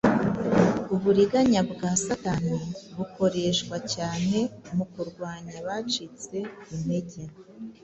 Uburiganya bwa Satani bukoreshwa cyane mu kurwanya abacitse intege.